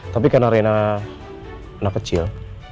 tapi karena reina anak kecil